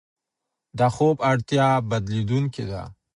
د خوب اړتیا بدلېدونکې ده.